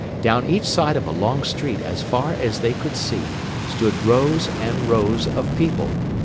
Down each side of a long street as far as they could see stood rows and rows of people.